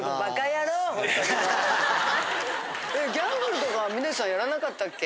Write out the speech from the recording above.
ギャンブルとかは峰さんやらなかったっけ？